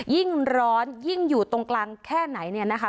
ยิ่งร้อนยิ่งอยู่ตรงกลางแค่ไหนเนี่ยนะคะ